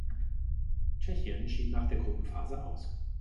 Tschechien schied nach der Gruppenphase aus.